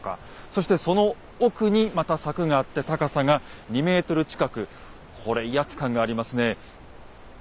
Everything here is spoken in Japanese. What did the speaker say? そしてその奥にまた柵があって高さが２ｍ近くこれ威圧感がありますね。